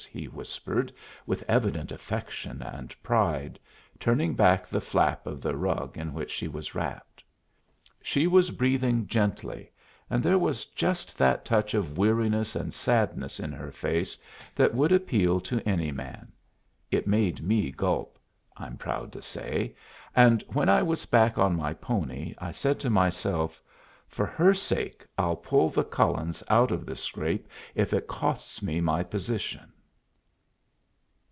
he whispered, with evident affection and pride, turning back the flap of the rug in which she was wrapped. She was breathing gently, and there was just that touch of weariness and sadness in her face that would appeal to any man. It made me gulp, I'm proud to say; and when I was back on my pony, I said to myself, "For her sake, I'll pull the Cullens out of this scrape, if it costs me my position."